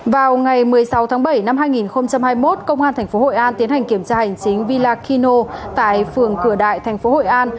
vào ngày một mươi sáu tháng bảy năm hai nghìn hai mươi một công an tp hội an tiến hành kiểm tra hành chính villakino tại phường cửa đại tp hội an